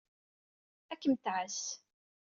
Ad kem-tɛass.